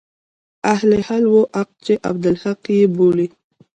اهل حل و عقد چې عبدالحق يې بولي.